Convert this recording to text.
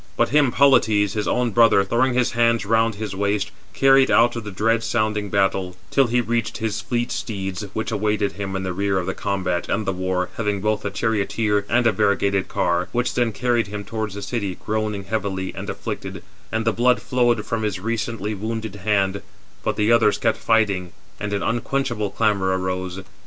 But him Polites, his own brother, throwing his hands round his waist, carried out of the dread sounding battle, till he reached his fleet steeds, which awaited him in the rear of the combat and the war, having both a charioteer and a variegated car; which then carried him towards the city, groaning heavily [and] afflicted; and the blood flowed from his recently wounded hand: but the others kept fighting, and an unquenchable clamour arose.